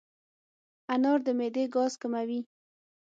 انار د معدې ګاز کموي.